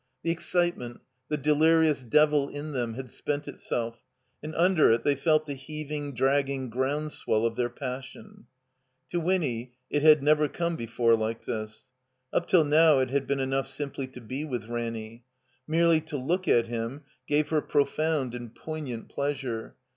The excitement, the delirious devil in them, had spent itself, and imder it they felt the heaving, dragging groundswell of their passion. To Winny it had never come before like this. Up till now it had been enough simply to be with Ranny. Merely to look at him gave her profound and poig nant pleasure.